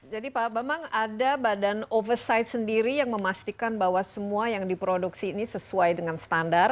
jadi pak abang ada badan oversight sendiri yang memastikan bahwa semua yang diproduksi ini sesuai dengan standar